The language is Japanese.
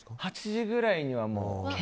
８時ぐらいには。